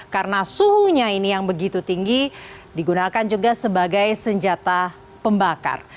karena suhunya ini yang begitu tinggi digunakan juga sebagai senjata pembakar